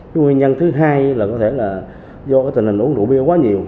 cái nguyên nhân thứ hai là có thể là do tình hình uống rượu bia quá nhiều